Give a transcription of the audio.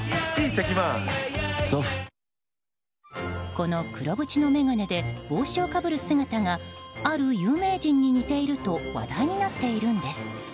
この黒縁の眼鏡で帽子をかぶる姿がある有名人に似ていると話題になっているんです。